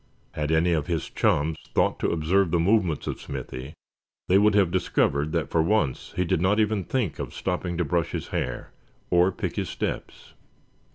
Had any of his chums thought to observe the movements of Smithy they would have discovered that for once he did not even think of stopping to brush his hair, or pick his steps.